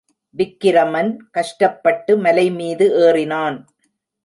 விக்கிரமன் கஷ்டப்பட்டு மலைமீது ஏறினான்.